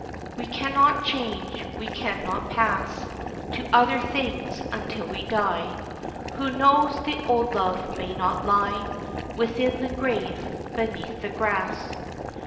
We cannot change, we cannot pass To other things until we die; Who knows, the old love may not lie Within the grave, beneath the grass?